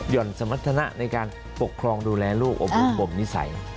หย่อนสมทนะในการปกครองดูแลลูกอบนิสัย